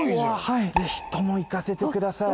ぜひとも行かせてください。